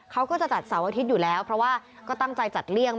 เขาก็จะจัดเสาร์อาทิตย์อยู่แล้วเพราะว่าก็ตั้งใจจัดเลี่ยง